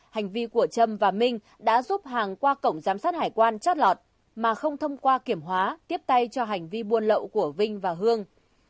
hành vi của trâm và minh đã giúp hàng qua cổng giám sát hải quan chót lọt mà không thông qua kiểm hóa tiếp tay cho hành vi buôn lậu của vinh và hương